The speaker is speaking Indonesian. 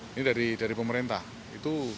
ini dari pemerintah itu